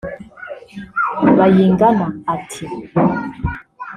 Bayingana ati